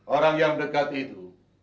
orang yang dekat itu